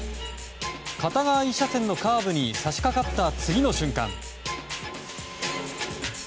片側１車線のカーブに差し掛かった次の瞬間。